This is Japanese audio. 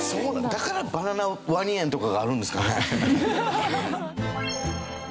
だからバナナワニ園とかがあるんですかね。